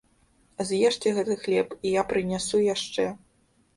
З'ешце гэты хлеб, і я прынясу яшчэ.